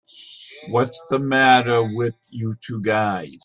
What's the matter with you two guys?